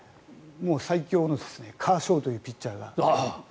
もう最強のカーショウというピッチャーが。